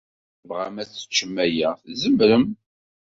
Ma tebɣam ad teččem aya, tzemrem.